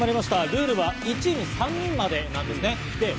ルールは１チーム３人までなんですね。